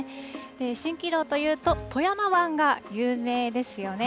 しんきろうというと、富山湾が有名ですよね。